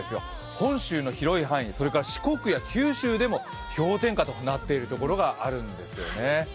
本州の広い範囲、四国や九州でも氷点下となっている所があるんですね。